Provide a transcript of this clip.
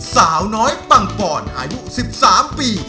สาวน้อยปังปอนอายุ๑๓ปี